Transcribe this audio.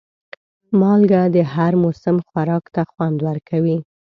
مالګه د هر موسم خوراک ته خوند ورکوي.